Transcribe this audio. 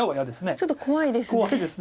ちょっと怖いですね。